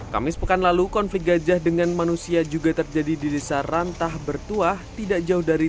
kamis pekan lalu konflik gajah dengan manusia juga terjadi di desa rantah bertuah tidak jauh dari